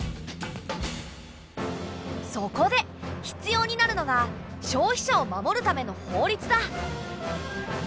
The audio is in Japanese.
そこで必要になるのが消費者を守るための法律だ。